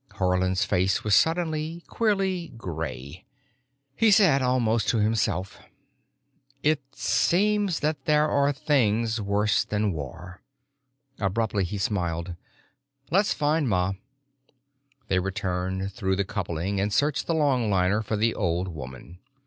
Haarland's face was suddenly, queerly gray. He said, almost to himself, "It seems that there are things worse than war." Abruptly he smiled. "Let's find Ma." They returned through the coupling and searched the longliner for the old woman.